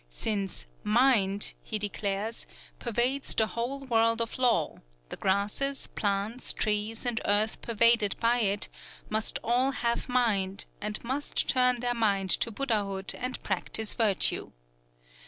"Since Mind," he declares, "pervades the whole World of Law, the grasses, plants, trees, and earth pervaded by it must all have mind, and must turn their mind to Buddhahood and practise virtue.